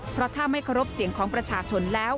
เพราะถ้าไม่เคารพเสียงของประชาชนแล้ว